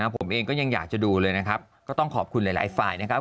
ผมเองก็ยังอยากจะดูเลยนะครับก็ต้องขอบคุณหลายฝ่ายนะครับ